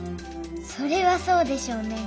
それはそうでしょうね。